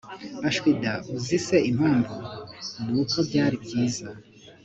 ashwi da uzi se impamvu! nuko byari byiza